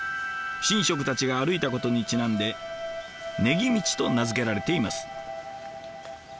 神職たちが歩いたことにちなんで「宜道」と名付けられています。